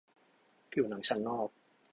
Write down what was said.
ผิวหนังชั้นนอก